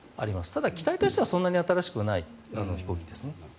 ただ、機体としてはそんなに新しくない飛行機ですね。